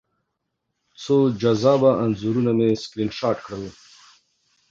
څو جذابه انځورونه مې سکرین شاټ کړل